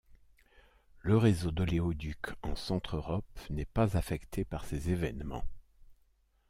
Le réseau d'oléoducs en Centre-Europe n'est pas affectée par ces événements.